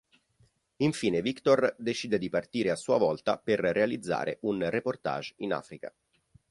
Infine Victor decide di partire a sua volta per realizzare un reportage in Africa.